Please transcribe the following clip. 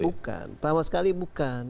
bukan sama sekali bukan